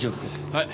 はい。